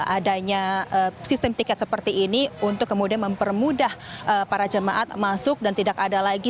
adanya sistem tiket seperti ini untuk kemudian mempermudah para jemaat masuk dan tidak ada lagi